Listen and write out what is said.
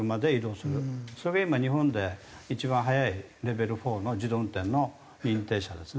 それが今日本で一番早いレベル４の自動運転の認定車ですね。